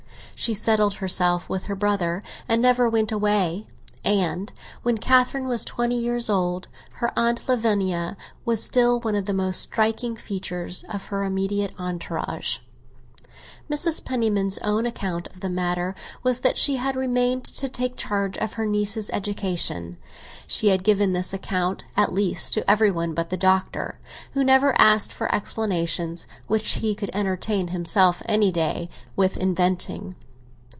She settled herself with her brother and never went away, and when Catherine was twenty years old her Aunt Lavinia was still one of the most striking features of her immediate entourage. Mrs. Penniman's own account of the matter was that she had remained to take charge of her niece's education. She had given this account, at least, to every one but the Doctor, who never asked for explanations which he could entertain himself any day with inventing.